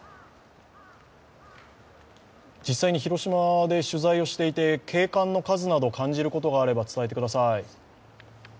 実際に広島で取材をしていて、警官の数など感じることがあれば伝えてください。